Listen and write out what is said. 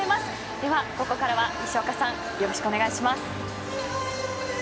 では、ここからは西岡さん、よろしくお願いします。